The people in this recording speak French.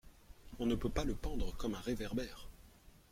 On ne peut pas le pendre comme un réverbère.